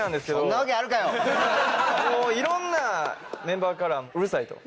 もういろんなメンバーから「うるさい」と。